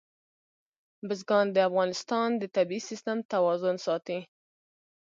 بزګان د افغانستان د طبعي سیسټم توازن ساتي.